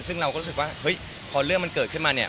ซึ่งเราก็รู้สึกว่าเฮ้ยพอเรื่องมันเกิดขึ้นมาเนี่ย